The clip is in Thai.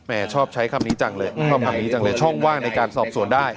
แหมชอบใช้คำนี้จังเลยช่องว่างในการสอบสวนได้